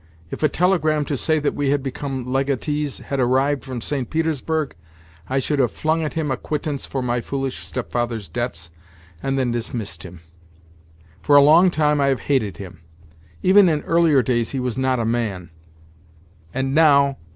If a telegram to say that we had become legatees had arrived from, St. Petersburg, I should have flung at him a quittance for my foolish stepfather's debts, and then dismissed him. For a long time I have hated him. Even in earlier days he was not a man; and now!